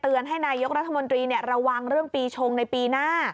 เตือนให้นายกรัฐมนตรีเนี่ยระวังเรื่องปีชงในปีหน้า